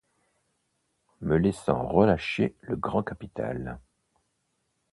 me laissant relâcher le grand capital.